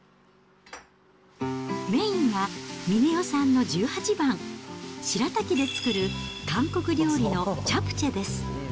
メインは峰代さんの十八番、白滝で作る韓国料理のチャプチェです。